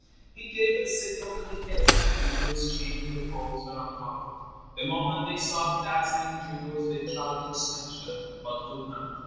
He gave the signal, and the heads of the eagles chained to the poles were uncovered. The moment they saw the dazzling jewels they tried to snatch them, but could not.